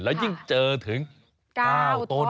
เชื่อถึง๙ต้น